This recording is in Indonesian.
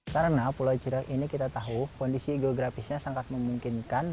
karena pulau curiak ini kita tahu kondisi geografisnya sangat memungkinkan